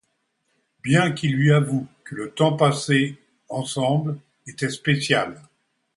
Bien qu'il lui avoue que le temps passé ensemble était spécial.